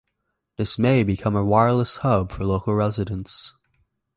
This may become a wireless hub for local residents.